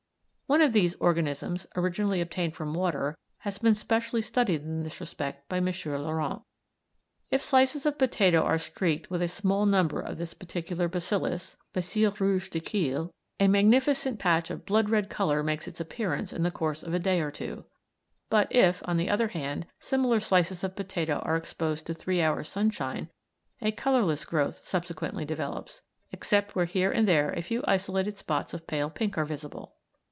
One of these organisms originally obtained from water has been specially studied in this respect by M. Laurent. If slices of potato are streaked with a small number of this particular bacillus (bacille rouge de Kiel) a magnificent patch of blood red colour makes its appearance in the course of a day or two, but if, on the other hand, similar slices of potato are exposed to three hours' sunshine, a colourless growth subsequently develops, except where here and there a few isolated spots of pale pink are visible.